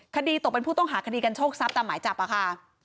คดีตกเป็นผู้ต้องหาคดีกันโชคทรัพย์ตามหมายจับค่ะ